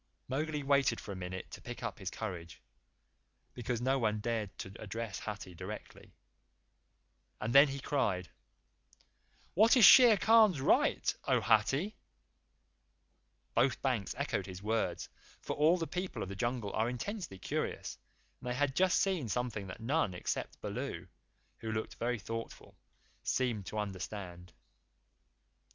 Mowgli waited for a minute to pick up his courage, because no one cared to address Hathi directly, and then he cried: "What is Shere Khan's right, O Hathi?" Both banks echoed his words, for all the People of the Jungle are intensely curious, and they had just seen something that none except Baloo, who looked very thoughtful, seemed to understand.